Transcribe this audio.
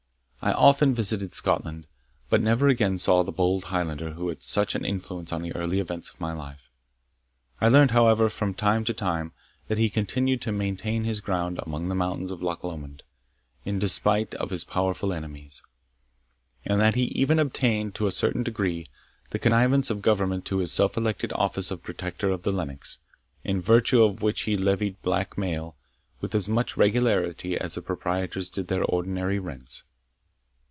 I often visited Scotland, but never again saw the bold Highlander who had such an influence on the early events of my life. I learned, however, from time to time, that he continued to maintain his ground among the mountains of Loch Lomond, in despite of his powerful enemies, and that he even obtained, to a certain degree, the connivance of Government to his self elected office of protector of the Lennox, in virtue of which he levied black mail with as much regularity as the proprietors did their ordinary rents.